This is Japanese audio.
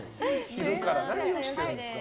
昼から何をしてるんですか。